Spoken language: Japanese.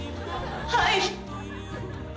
はい！